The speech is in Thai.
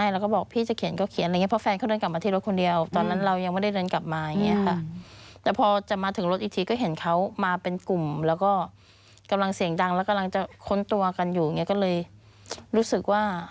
แล้วเขาก็จะเขียนใบสั่งให้แล้วก็บอก